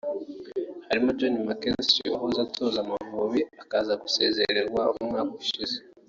harimo Johnny McKinstry wahoze atoza Amavubi akaza gusezererwa umwaka ushize